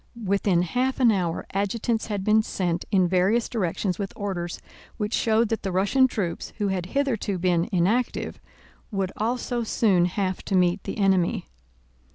Within half an hour adjutants had been sent in various directions with orders which showed that the Russian troops, who had hitherto been inactive, would also soon have to meet the enemy.